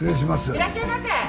いらっしゃいませ！